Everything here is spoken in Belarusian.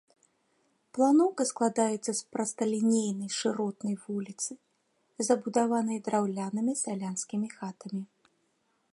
Планоўка складаецца з прасталінейнай шыротнай вуліцы, забудаванай драўлянымі сялянскімі хатамі.